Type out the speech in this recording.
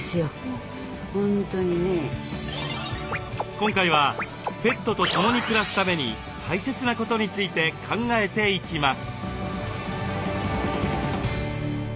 今回はペットと共に暮らすために大切なことについて考えていきます。